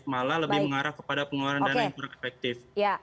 malah lebih mengarah kepada pengeluaran dana yang kurang efektif